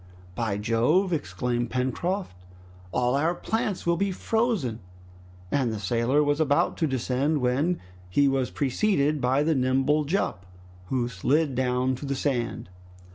"By Jove!" exclaimed Pencroft, "all our plants will be frozen!" And the sailor was about to descend, when he was preceded by the nimble Jup, who slid down to the sand.